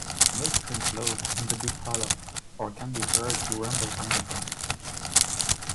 No stream flows in the deep hollow or can be heard to rumble underground.